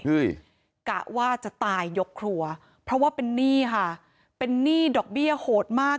กะว่าจะตายยกครัวเพราะว่าเป็นหนี้ค่ะเป็นหนี้ดอกเบี้ยโหดมาก